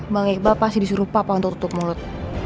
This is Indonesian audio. bang iqbal pasti disuruh papa untuk tutup mulut